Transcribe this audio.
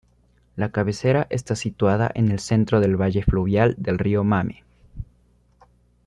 La cabecera está situada en el centro del valle fluvial del río Mame.